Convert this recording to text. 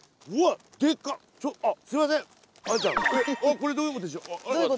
これどういうことでしょう。